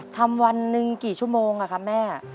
วันหนึ่งกี่ชั่วโมงอะครับแม่